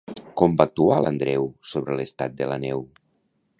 Com va actuar l'Andreu sobre l'estat de la neu?